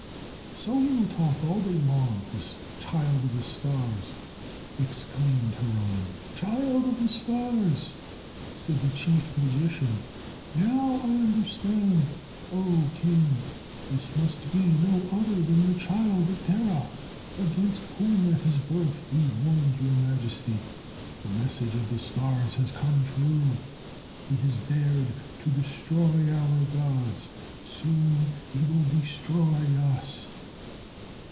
"So he will talk all day long, this child of the stars," exclaimed Haran. "Child of the stars!" said the chief magician. "Now I understand. O king, this must be no other than the child of Terah against whom, at his birth, we warned your majesty. The message of the stars has come true. He has dared to destroy our gods. Soon he will destroy us."